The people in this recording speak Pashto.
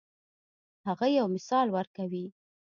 هغه یو مثال ورکوي.